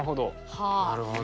なるほど。